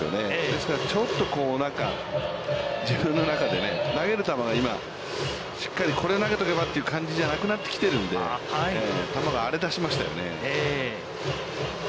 ですから、ちょっとなんか自分の中でね、投げる球が、今、しっかり、これを投げておけばという感じではなくなっているので、球が荒れ出しましたよね。